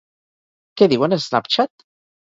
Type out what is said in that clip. Què diuen a Snapchat?